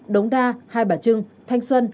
đống đa hai bà trưng thanh xuân